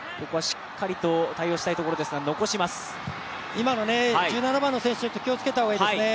今の１７番の選手、気をつけた方がいいですね。